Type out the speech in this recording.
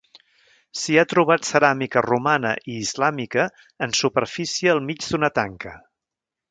S'hi ha trobat ceràmica romana i islàmica en superfície al mig d'una tanca.